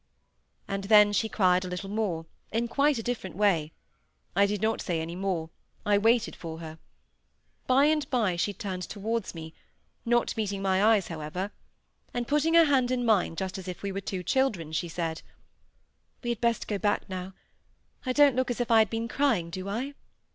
And then she cried a little more, in quite a different way. I did not say any more, I waited for her. By and by she turned towards me—not meeting my eyes, however; and putting her hand in mine just as if we were two children, she said,— "We had best go back now—I don't look as if I had been crying, do I?"